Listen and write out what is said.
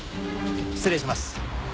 失礼します。